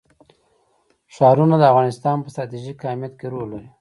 ښارونه د افغانستان په ستراتیژیک اهمیت کې رول لري.